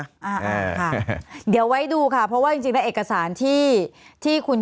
อ่าอ่าค่ะเดี๋ยวไว้ดูค่ะเพราะว่าจริงจริงแล้วเอกสารที่ที่คุณ